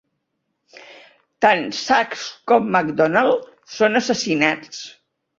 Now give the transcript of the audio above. Tant Sachs com MacDonald són assassinats.